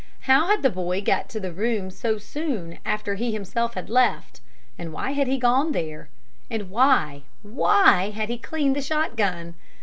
How had the boy got to the room so soon after he himself had left, and why had he gone there? And why, why had he cleaned the shotgun?